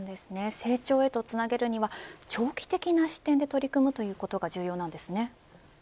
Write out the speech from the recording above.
成長へとつなげるには長期的な視点で取り組むことが重要なんですね。